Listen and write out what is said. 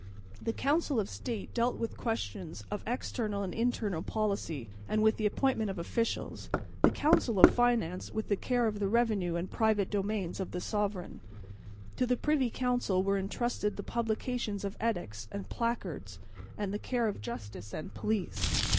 The Council of State dealt with questions of external and internal policy and with the appointment of officials; the Council of Finance with the care of the revenue and private domains of the sovereign; to the Privy Council were entrusted the publication of edicts and "placards," and the care of justice and police.